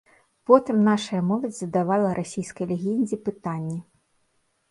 Потым нашая моладзь задавала расійскай легендзе пытанні.